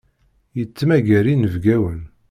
Yettmagar inebgawen.